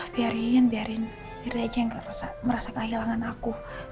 biarin biarin diri aja yang merasa kehilangan aku